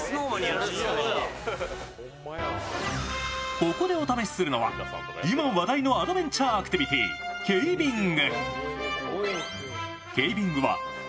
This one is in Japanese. ここでお試しするのは、今話題のアドベンチャーアクティビティー、ケイビング。